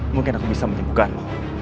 mungkin aku bisa menyembuhkanmu